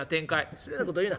「失礼なこと言うな。